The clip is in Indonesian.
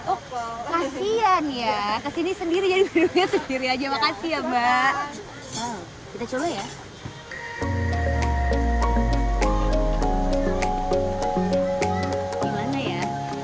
oh kasihan ya kesini sendiri jadi dulunya sendiri aja makasih ya mbak kita coba ya gimana ya